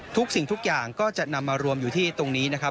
ทุกสิ่งทุกอย่างก็จะนำมารวมอยู่ที่ตรงนี้นะครับ